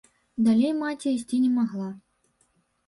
Далей маці ісці не магла.